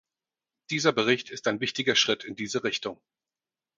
Dieser Bericht ist ein wichtiger Schritt in diese Richtung.